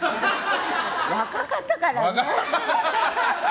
若かったからね。